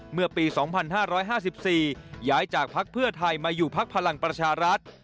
เมื่อปี๒๕๕๔ย้ายจากภักดิ์เพื่อไทยมาอยู่พักพลังประชารัฐ